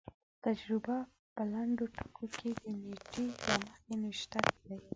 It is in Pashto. تجربه په لنډو ټکو کې د نېټې له مخې نوشته کړي.